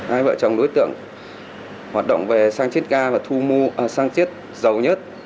hai vợ chồng đối tượng hoạt động về sang chiết ga và sang chiết dầu nhất